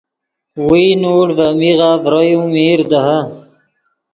ویئے نوڑ ڤے میغف ڤرو یو میر دیہے